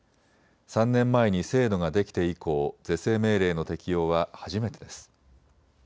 ３年前に制度ができて以降、是正命令の適用は初めてです。